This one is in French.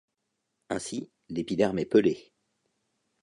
Ainsi, l'épiderme est pelé.